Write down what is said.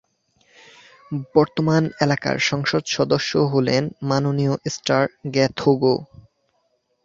বর্তমান এলাকার সংসদ সদস্য হলেন মাননীয় এস্টার গ্যাথোগো।